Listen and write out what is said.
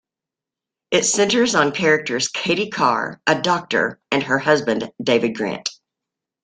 It centers on characters Katie Carr, a doctor, and her husband, David Grant.